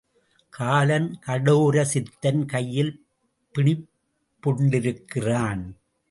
காலன் கடோரசித்தன் கையில் பிணிப்புண்டிருக்கிறான்.